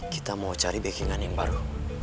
kita mau cari backing an yang baru